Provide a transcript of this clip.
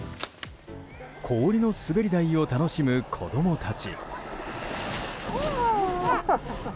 氷の滑り台を楽しむ子供たち。